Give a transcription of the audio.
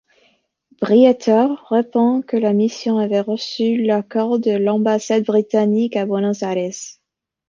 Briatore répond que la mission avait reçu l'accord de l'ambassade britannique à Buenos Aires.